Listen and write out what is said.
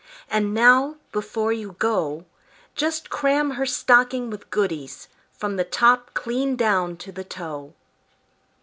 And now, before you go, Just cram her stocking with goodies, From the top clean down to the toe."